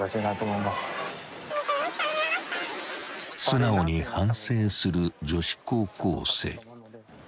［素直に反省する女子高校生］